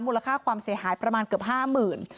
ค่าความเสียหายประมาณเกือบ๕๐๐๐บาท